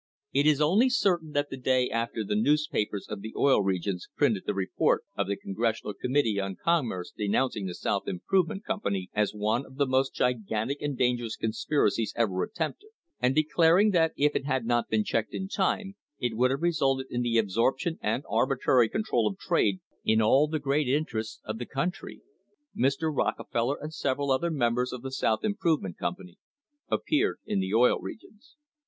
It is only certain that the day after the newspapers of the Oil Regions printed the report of the Congressional Committee on Commerce denouncing the South Improvement Company as "one of the most gigantic and dangerous conspiracies ever attempted," and declaring that if it had not been checked in time it "would have resulted in the absorption and arbitrary control of trade in all the great interests of the country." * Mr. Rockefeller and several other members of the South Improvement Company appeared in the Oil Regions.